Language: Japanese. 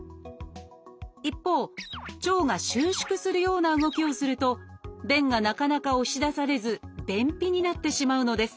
一方腸が収縮するような動きをすると便がなかなか押し出されず便秘になってしまうのです。